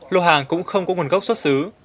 lô hàng cũng không có nguồn gốc xuất xứ